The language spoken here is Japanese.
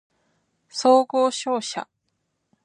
総合商社